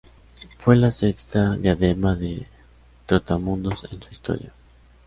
Fue la sexta diadema de Trotamundos en su historia.